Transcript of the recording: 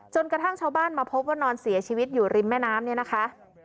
กระทั่งชาวบ้านมาพบว่านอนเสียชีวิตอยู่ริมแม่น้ำเนี่ยนะคะ